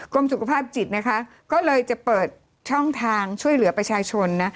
สุขภาพจิตนะคะก็เลยจะเปิดช่องทางช่วยเหลือประชาชนนะ